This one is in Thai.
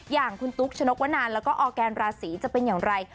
อย่างคุณตุ๊กชนกวนานแล้วก็ออร์แกนราศีจะเป็นอย่างไร